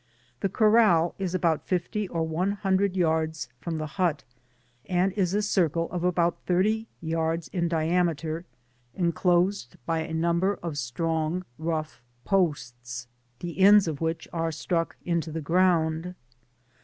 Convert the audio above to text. The corr&l is about fifty or one hundred yards from the hut, and is a circle of about thirty yards in diameter, enclosed by a number of strong, rough posts, the ends of which are struck into the ground.